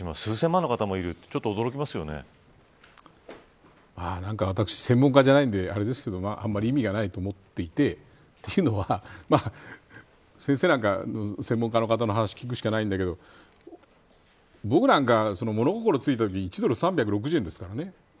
数千万の方もいるってなんか、私専門家じゃないんであれですけどあまり意味がないと思っていてというのは先生なんか専門家の話を聞くしかないんだけど僕なんかは物心ついたときに１ドル３６０円ですからね。